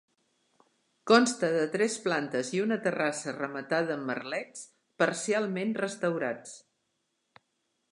Consta de tres plantes i una terrassa rematada amb merlets, parcialment restaurats.